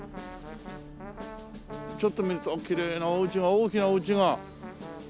ちょっと見るときれいなお家が大きなお家が。